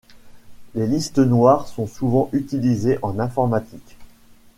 Les listes noires sont souvent utilisées en informatique.